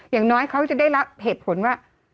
อย่างน้อยเขาจะได้รับเหตุผลว่า